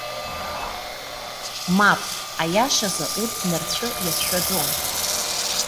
Мап! Аиашазы урҭ нарцәы иацәшәаӡом.